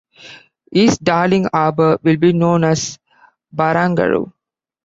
East Darling Harbour will be known as Barangaroo.